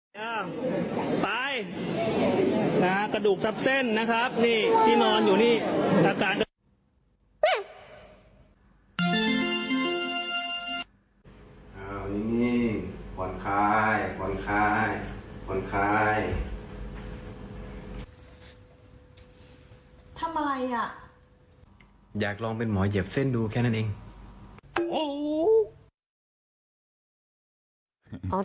ทำไมอ่ะอยากลองเป็นหมอเหยียบเส้นดูแค่นั้นเอง